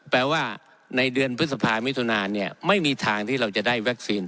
แปลว่าในเดือนพฤษภามิถุนาเนี่ยไม่มีทางที่เราจะได้วัคซีน